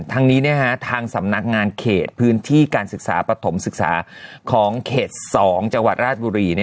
ทางนี้ทางสำนักงานเขตพื้นที่การศึกษาปฐมศึกษาของเขต๒จังหวัดราชบุรี